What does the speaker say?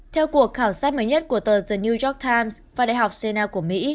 theo cuộc khảo sát mới nhất của tờ the new york times và đại học cenna của mỹ